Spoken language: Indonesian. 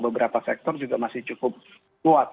beberapa sektor juga masih cukup kuat